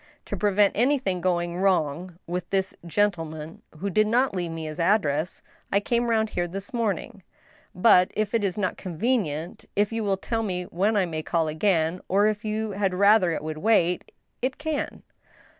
To prevent anything going wrong with this gentle man, who did not leave me his address, I came round here this morning. ... But if it is not convenient, if you will tell me when I may call again, or if you had rather it would wait, ... it can."